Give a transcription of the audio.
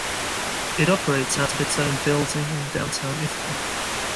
It operates out of its own building in downtown Ithaca.